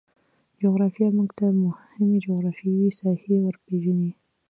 جغرافیه موږ ته مهمې جغرفیاوې ساحې روپیژني